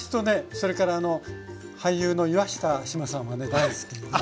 それからあの俳優の岩下志麻さんはね大好きなんですよ。